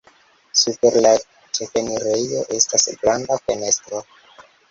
Super la ĉefenirejo estas granda fenestro.